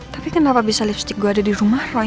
tapi kenapa bisa lipstick gue ada di rumah roy